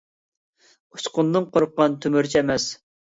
ئۇچقۇندىن قورققان تۆمۈرچى ئەمەس.